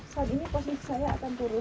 saat ini posisi saya akan turun